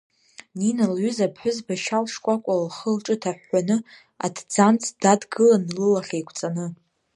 Нина лҩыза аԥҳәызба шьал шкәакәала лхы-лҿы ҭаҳәҳәаны аҭӡамц дадгылан лылахь еиқәҵаны.